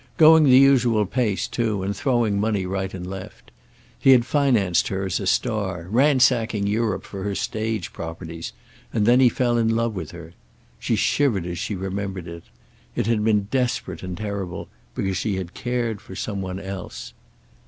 Going the usual pace, too, and throwing money right and left. He had financed her as a star, ransacking Europe for her stage properties, and then he fell in love with her. She shivered as she remembered it. It had been desperate and terrible, because she had cared for some one else.